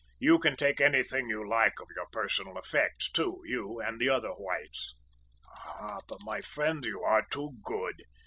`You can take anything you like of your personal effects too; you and the other whites.' "`Ah, but my friend, you are too good!'